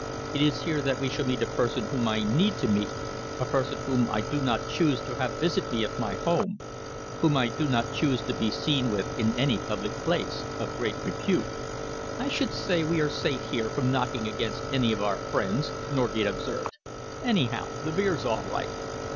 It is here that we shall meet a person whom I need to meet, a person whom I do not choose to have visit me at my home, whom I do not choose to be seen with in any public place of great repute." "I should say we were safe here from knocking against any of our friends!" Norgate observed. "Anyhow, the beer's all right."